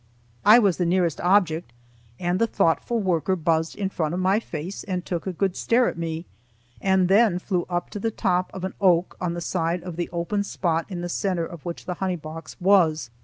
I was the nearest object, and the thoughtful worker buzzed in front of my face and took a good stare at me, and then flew up on to the top of an oak on the side of the open spot in the centre of which the honey box was.